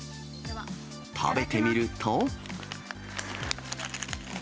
食べてみると。